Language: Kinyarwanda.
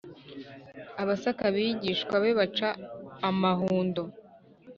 amasaka abigishwa be baca amahundo